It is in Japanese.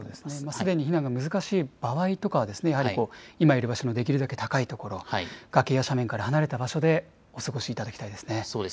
すでに避難が難しい場合とかは、やはり、今いる場所のできるだけ高い所、崖や斜面から離れた場所でお過ごそうですね。